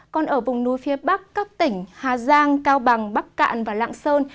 còn ở vùng núi phía bắc các tỉnh hà giang cao bằng bắc cạn và lạng sơn